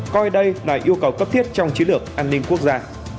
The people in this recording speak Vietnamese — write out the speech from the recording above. coi đây là yêu cầu cấp thiết trong chiến lược an ninh quốc gia